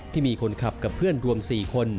ที่มีคนขับกับเพื่อนรวม๔คน